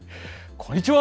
こんにちは。